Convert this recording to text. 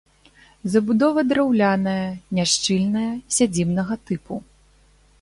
Забудова драўляная, няшчыльная, сядзібнага тыпу.